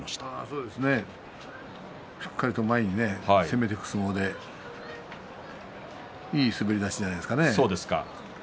そうですねしっかりと前に攻めていく相撲でいい滑り出しじゃないですかね。